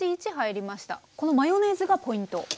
このマヨネーズがポイント？